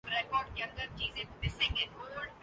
کیا آپ جانتے ہیں